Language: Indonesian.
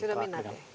sudah minat ya